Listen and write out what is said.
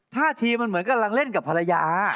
ท่าทีมันเหมือนกำลังเล่นกับภรรยา